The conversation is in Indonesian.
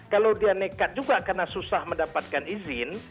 kalau dia nekat juga karena susah mendapatkan izin